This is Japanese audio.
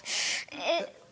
えっ。